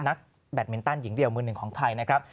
แบตมินตันหญิงเดียวมือหนึ่งของไทยนะครับ